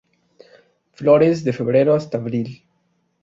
Florece de febrero hasta abril.